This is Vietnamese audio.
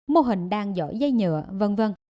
mô hình đan dõi dây nhựa v v